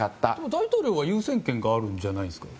大統領は優先権があるじゃないですか。